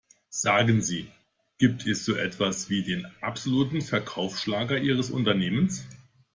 Sagen Sie, gibt es so etwas wie den absoluten Verkaufsschlager ihres Unternehmens?